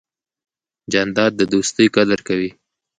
جانداد د دوستۍ قدر کوي.